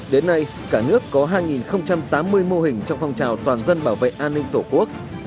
đến nay cả nước có hai tám mươi mô hình trong phong trào toàn dân bảo vệ an ninh tổ quốc